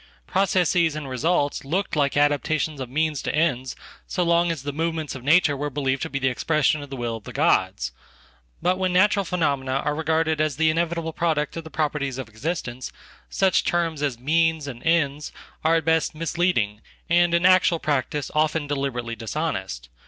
Processes and results looked like adaptations ofmeans to ends so long as the, movements of nature were believed tobe the expression of the will of the gods. Bat when naturalphenomena are regarded as the inevitable product of the propertiesof existence, such terms as "means" and "ends" are at bestmisleading, and in actual practice often deliberately dishonest.